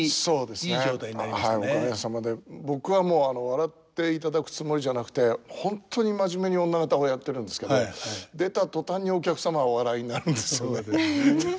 僕は笑っていただくつもりじゃなくて本当に真面目に女方をやってるんですけど出た途端にお客様がお笑いになるんですよね。